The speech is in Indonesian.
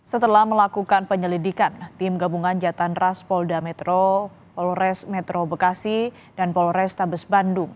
setelah melakukan penyelidikan tim gabungan jatan ras polda metro polres metro bekasi dan polrestabes bandung